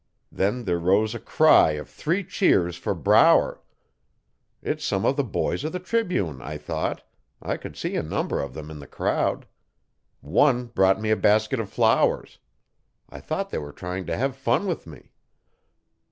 Then there rose a cry of three cheers for Brower. It's some of the boys of the Tribune, I thought I could see a number of them in the crowd. One brought me a basket of flowers. I thought they were trying to have fun with me.